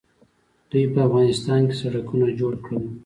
دوی په افغانستان کې سړکونه جوړ کړل.